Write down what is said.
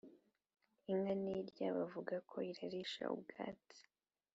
Inka ntirya bavugako irarisha ubwatsi